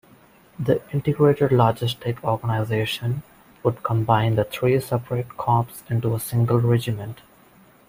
The integrated logistic organisation would combine the three separate Corps into a single Regiment.